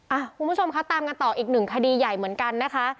คุณผู้ชมคะตามกันต่ออีกหนึ่งคดีใหญ่เหมือนกันนะคะ